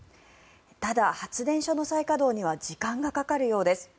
ただ、発電所の再稼働には時間がかかるようです。